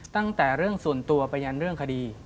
ตั้งแต่เรื่องส่วนตัวไปยันเรื่องคดี